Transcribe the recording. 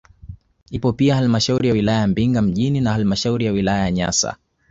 Ipo pia halmashauri ya wilaya Mbinga mjini na halmashauri ya wilaya ya Nyasa